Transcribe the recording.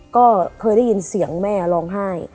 ก็เคยได้ยินเสียงแม่ร้องไห้